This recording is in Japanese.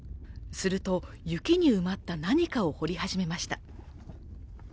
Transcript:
すると、雪に埋まった何かを掘り始めました。